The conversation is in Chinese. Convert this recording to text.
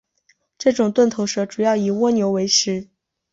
这种钝头蛇主要以蜗牛为食。